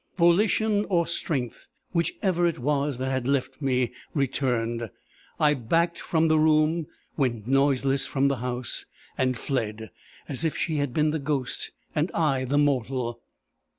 Volition or strength, whichever it was that had left me, returned. I backed from the room, went noiseless from the house, and fled, as if she had been the ghost, and I the mortal.